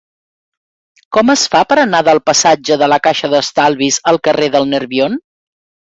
Com es fa per anar del passatge de la Caixa d'Estalvis al carrer del Nerbion?